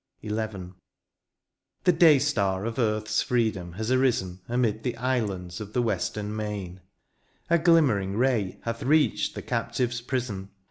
XL The day star of earth^s freedom has arisen Amid the islands of the western main ; A glimmering ray hath reached the captive^s prison.